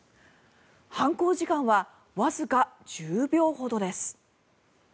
犯行時間はわずか１０秒ほどです。